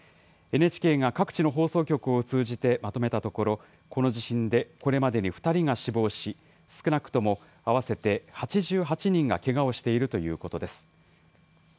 ＮＨＫが各地の放送局を通じてまとめたところ、この地震でこれまでに２人が死亡し、少なくとも合わせて８８人がけがをしているということです。